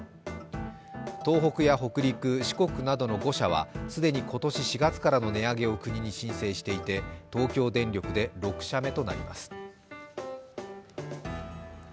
東北や北陸、四国などの５社は既に今年４月からの値上げを国に申請していて東京電力で６社目となります。